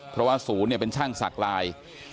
เพราะว่าศูนย์เป็นช่างศักดิ์ลาย